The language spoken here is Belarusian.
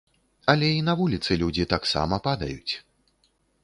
Але і на вуліцы людзі таксама падаюць.